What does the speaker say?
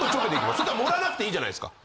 そしたら盛らなくていいじゃないですか。